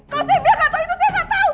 kalau saya bilang gak tahu itu saya gak tahu